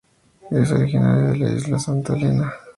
Es originaria de la Isla de Santa Elena.